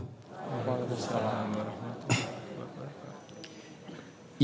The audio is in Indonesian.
wa'alaikumsalam warahmatullahi wabarakatuh